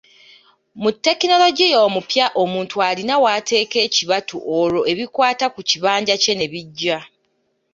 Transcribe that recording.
Mu ttekinologiya omupya omuntu alina w'ateeka ekibatu olwo ebikwata ku kibanja kye ne bijja.